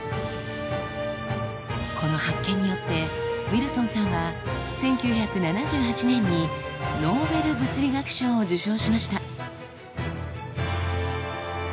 この発見によってウィルソンさんは１９７８年にノーベル物理学賞を受賞しました。